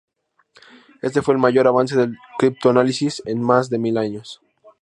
Este fue el mayor avance del criptoanálisis en más de mil años.